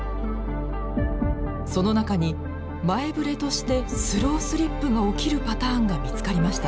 その中に前ぶれとしてスロースリップが起きるパターンが見つかりました。